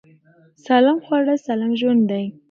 سالم خواړه سالم ژوند دی.